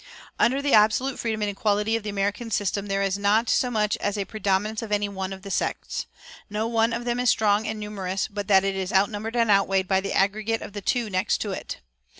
Under the absolute freedom and equality of the American system there is not so much as a predominance of any one of the sects. No one of them is so strong and numerous but that it is outnumbered and outweighed by the aggregate of the two next to it.